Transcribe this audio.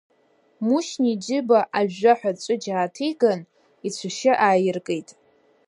Мушьни иџьыба ажәжәаҳәа аҵәыџь ааҭиган, ицәашьы аиркит.